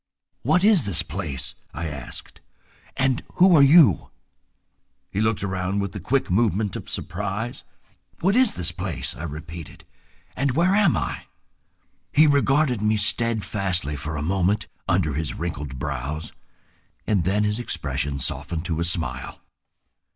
"What is this place," I asked, "and who are you?" He looked around with the quick movement of surprise. "What is this place?" I repeated, "and where am I?" He regarded me steadfastly for a moment under his wrinkled brows, and then his expression softened to a smile.